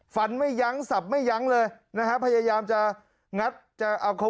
ฟันไม่ยั้งสับไม่ยั้งเลยนะฮะพยายามจะงัดจะเอาเขา